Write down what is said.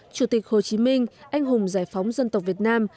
chủ tịch hồ chí minh anh hùng giải phóng dân tộc việt nam